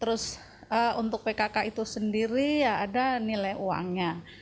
untuk pkk itu sendiri ada nilai uangnya